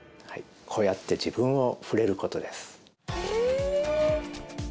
こうやって自分を触れることですえ